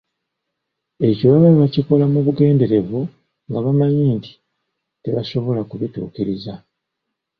Ekyo baba baakikola mu bugenderevu nga bamanyi nti tebasobola kubituukiriza.